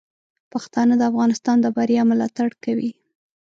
پښتانه د افغانستان د بریا ملاتړ کوي.